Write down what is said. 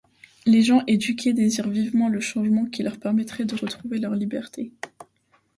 Les gens éduqués désirent vivement le changement qui leur permettrait de retrouver leur liberté.